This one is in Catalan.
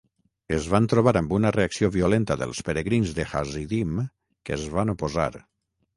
Es van trobar amb una reacció violenta dels peregrins de Hasidim que es van oposar.